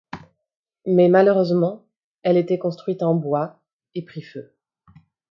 Mais malheureusement, elle était construite en bois et prit feu.